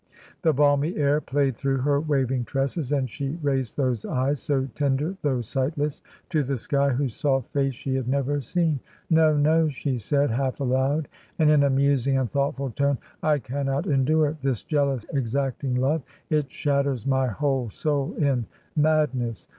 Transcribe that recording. The balmy air played through her waving tresses — ^and she raised those eyes, so tender though sightless, to the sky whose soft face she had never seen. ' No, no I' she said^ half aloud, and in a musing and thoughtful tone, 'I cannot endure it; this jesdous, exacting love, it shatters my whole soul in madness.